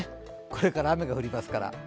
これから雨が降りますから。